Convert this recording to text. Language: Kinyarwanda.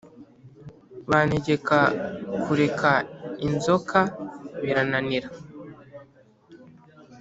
Bantegeka kureka inzoka birananira